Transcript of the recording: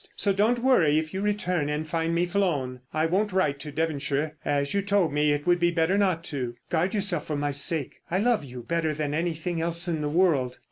So don't worry if you return and find me flown. I won't write to Devonshire as you told me it would be better not to. Guard yourself for my sake. I love you better than anything else in the world.